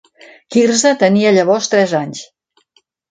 Quirze tenia llavors tres anys.